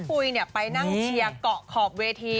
ชัตปุ่ยเนี่ยไปนั่งเชียร์เกาะขอบเวที